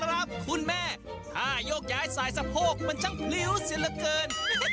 ครับคุณแม่ถ้ายกย้ายสายสะโพกมันต้องพริวเสียละเกิน